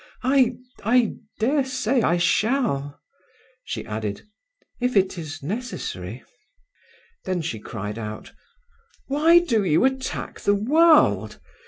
"I I daresay I shall." She added, "If it is necessary." Then she cried out: "Why do you attack the world?